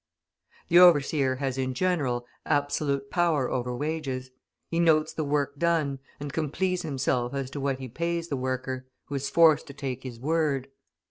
The overseer has, in general, absolute power over wages; he notes the work done, and can please himself as to what he pays the worker, who is forced to take his word.